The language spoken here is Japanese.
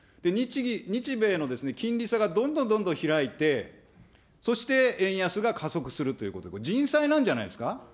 日米の金利差がどんどんどんどん開いて、そして、円安が加速するということで、人災なんじゃないですか。